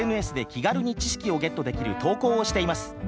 気軽に知識をゲットできる投稿をしています。